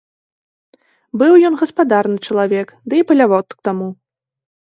Быў ён гаспадарны чалавек ды і палявод к таму.